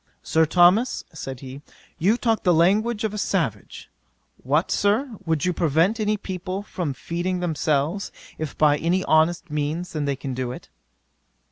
"Sir Thomas, (said he,) you talk the language of a savage: what, Sir? would you prevent any people from feeding themselves, if by any honest means they can do it."